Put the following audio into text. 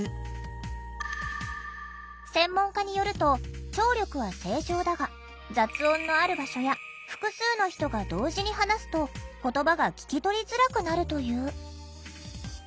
専門家によると聴力は正常だが雑音のある場所や複数の人が同時に話すと言葉が聞き取りづらくなるという。